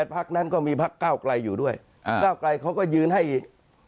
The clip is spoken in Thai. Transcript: ๘พักนั้นก็มีพัก๙กลายอยู่ด้วย๙กลายเขาก็ยืนให้อีก